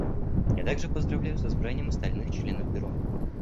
Я также поздравляю с избранием остальных членов Бюро.